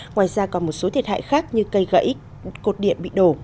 ngoài ra còn một số thiệt hại khác như cây gãy cột điện bị đổ